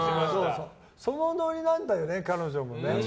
そのノリなんだよね、彼女もね。